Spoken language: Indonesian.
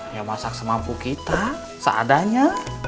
ya masak semampu kita seadanya